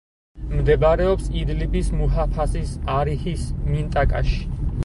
მდებარეობს იდლიბის მუჰაფაზის არიჰის მინტაკაში.